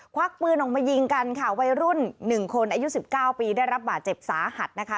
วักปืนออกมายิงกันค่ะวัยรุ่น๑คนอายุ๑๙ปีได้รับบาดเจ็บสาหัสนะคะ